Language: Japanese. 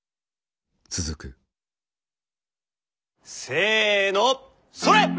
せのそれ！